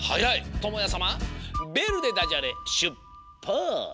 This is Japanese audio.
ともやさま「ベル」でダジャレしゅっぱつ！